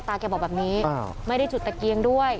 แกบอกแบบนี้ไม่ได้จุดตะเกียงด้วย